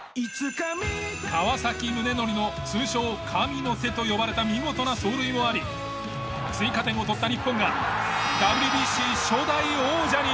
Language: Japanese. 川宗則の通称神の手と呼ばれた見事な走塁もあり追加点を取った日本がＷＢＣ初代王者に。